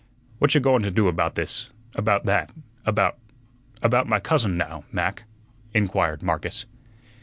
"What you going to do about this about that about about my cousin now, Mac?" inquired Marcus.